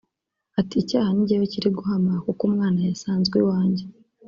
Ati “Icyaha ni jyewe kiri guhama kuko umwana yasanzwe iwanjye